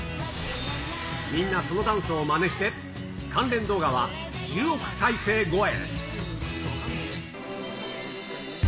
みんなそのダンスをまねして、関連動画は１０億再生超え。